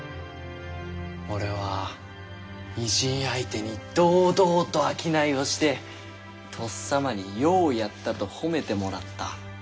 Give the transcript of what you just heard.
俺は異人相手に堂々と商いをしてとっさまに「ようやった」と褒めてもらった。